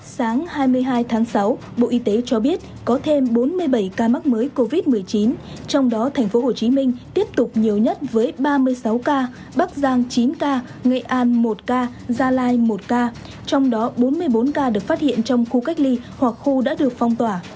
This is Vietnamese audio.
sáng hai mươi hai tháng sáu bộ y tế cho biết có thêm bốn mươi bảy ca mắc mới covid một mươi chín trong đó tp hcm tiếp tục nhiều nhất với ba mươi sáu ca bắc giang chín ca nghệ an một ca gia lai một ca trong đó bốn mươi bốn ca được phát hiện trong khu cách ly hoặc khu đã được phong tỏa